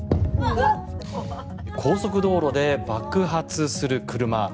高速道路で爆発する車。